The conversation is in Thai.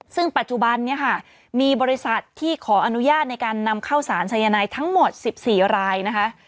ซึ่งปัจจุบันนี้ค่ะมีบริษัทที่ขออนุญาตในการนำเข้าสารสายนายทั้งหมด๑๔รายนะคะ